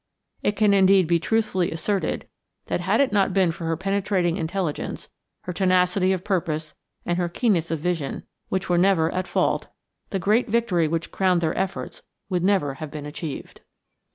It can indeed be truthfully asserted that had it not been for her penetrating intelligence, her tenacity of purpose and her keenness of vision, which were never at fault, the great victory which crowned their efforts would never have been achieved.